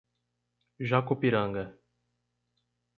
Jacupiranga